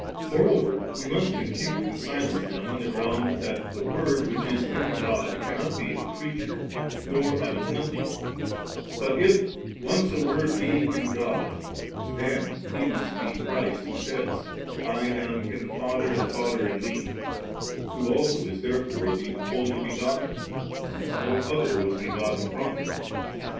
Moreover, we must con fute and silence them on the ground, thst the Word which is in God cannot be a creature nor out of nothing ; but if once a Word be in God, then He must be Christ who says, * I am in the Father and the Father in Me^,' who also is therefore the Only be gotten, since no other was begotten from Him.